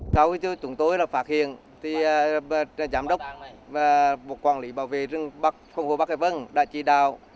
sau khi chúng tôi phát hiện giám đốc và quản lý bảo vệ dừng phòng hộ bắc hải vân đã chỉ đào